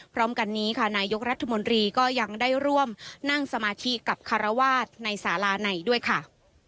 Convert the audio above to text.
พร้อมกันนี้ค่ะนายกรัฐมนตรีก็ยังได้ร่วมนั่งสมาธิกับคารวาสในสาราในด้วยค่ะ